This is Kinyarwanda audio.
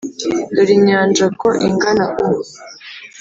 dore inyanjako ingana u.